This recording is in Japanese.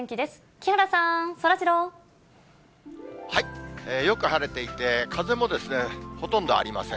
木原さん、そらジロー。よく晴れていて、風もほとんどありません。